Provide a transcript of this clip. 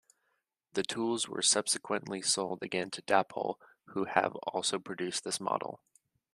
The tools were subsequently sold again to Dapol who have also produced this model.